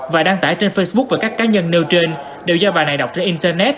và đăng tải trên facebook và các cá nhân nêu trên đều do bà này đọc trên internet